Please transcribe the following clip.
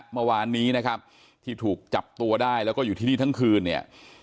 เมื่อวานนี้นะครับที่ถูกจับตัวได้แล้วก็อยู่ที่นี่ทั้งคืนเนี่ย